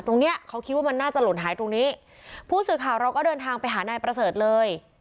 ตรงเนี้ยเขาคิดว่ามันน่าจะหล่นหายตรงนี้ผู้สื่อข่าวเราก็เดินทางไปหานายประเสริฐเลย